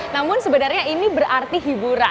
namun sebenarnya ini berarti